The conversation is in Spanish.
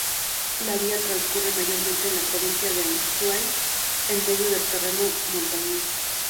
La vía transcurre mayormente en la provincia de Azuay, en medio del terreno montañoso.